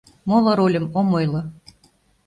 Моло рольым ом ойло.